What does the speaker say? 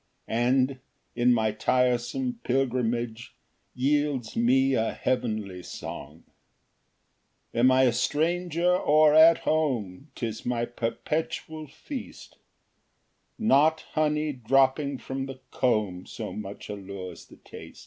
And, in my tiresome pilgrimage, Yields me a heavenly song. Ver. 19 103. 4 Am I a stranger, or at home, 'Tis my perpetual feast; Not honey dropping from the comb So much allures the taste.